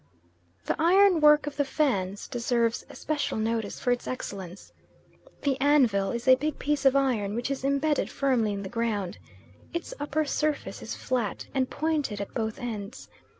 The iron work of the Fans deserves especial notice for its excellence. The anvil is a big piece of iron which is embedded firmly in the ground. Its upper surface is flat, and pointed at both ends.